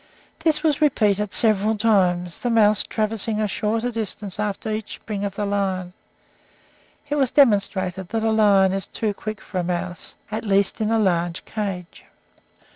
This was repeated several times, the mouse traversing a shorter distance after each spring of the lion. It was demonstrated that a lion is too quick for a mouse, at least in a large cage.